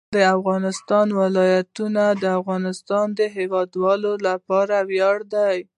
د افغانستان ولايتونه د افغانستان د هیوادوالو لپاره ویاړ دی.